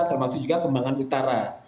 termasuk juga kembangan utara